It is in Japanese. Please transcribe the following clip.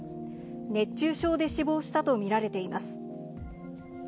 熱中症で死亡したと見られています。